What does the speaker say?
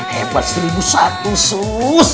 hebat seribu satu sus